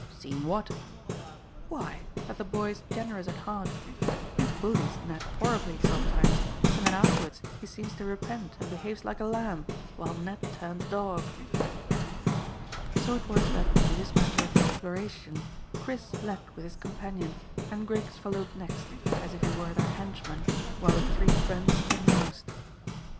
"Seen what?" "Why, that the boy's generous at heart. He bullies Ned horribly sometimes, and then afterwards he seems to repent and behaves like a lamb, while Ned turns dog." So it was that in this matter of the exploration Chris led with his companion, and Griggs followed next, as if he were their henchman, while the three friends came last.